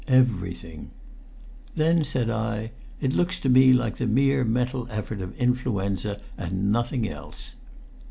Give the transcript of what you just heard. "Everything." "Then," said I, "it looks to me like the mere mental effect of influenza, and nothing else."